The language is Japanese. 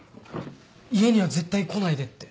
家には絶対来ないでって。